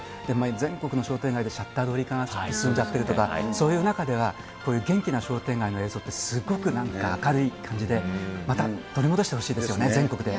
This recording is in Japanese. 全国の商店街でシャッター通り化が進んじゃってるとか、そういう中では、こういう元気な商店街の映像って、すごくなんか明るい感じで、また取り戻してほしいですよね、全国で。